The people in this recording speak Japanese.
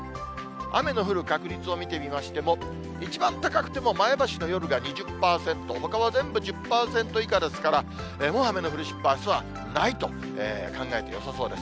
雨の降る確率を見てみましても、一番高くても前橋の夜が２０％、ほかは全部１０％以下ですから、もう雨の降る心配、あすはないと考えてよさそうです。